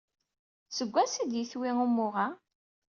Seg wansi ay d-tewwi umuɣ-a?